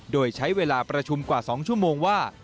โดยใช้เวลาประชุมกว่า๒ชั่วโมงว่า